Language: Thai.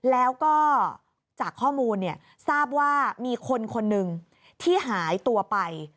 แล้วก็จากข้อมูลเนี่ยทราบว่ามีคนคนหนึ่งที่หายตัวไป